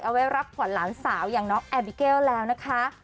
ไว้รับขวัญหลานสาวอย่างน้องแอบิเกลแล้วนะคะ